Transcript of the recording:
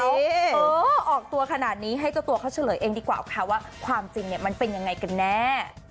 เออออกตัวขนาดนี้ให้เจ้าตัวเขาเฉลยเองดีกว่าค่ะว่าความจริงเนี่ยมันเป็นยังไงกันแน่